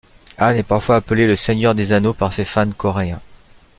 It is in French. Ahn est parfois appelé le Seigneur des anneaux par ses fans coréens.